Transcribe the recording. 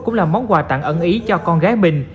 cũng là món quà tặng ẩn ý cho con gái mình